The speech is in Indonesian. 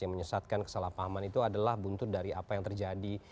yang menyesatkan kesalahpahaman itu adalah buntut dari apa yang terjadi